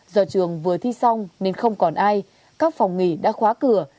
do trường vừa thi xong nên không còn ai các phòng nghỉ đã khóa cửa